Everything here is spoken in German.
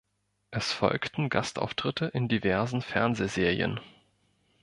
Es folgten Gastauftritte in diversen Fernsehserien.